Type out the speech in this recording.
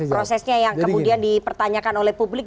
prosesnya yang kemudian dipertanyakan oleh publik